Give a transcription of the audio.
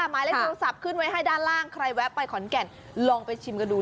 หมายเลขโทรศัพท์ขึ้นไว้ให้ด้านล่างใครแวะไปขอนแก่นลองไปชิมกันดู